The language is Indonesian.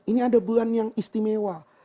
ini ada bulan yang istimewa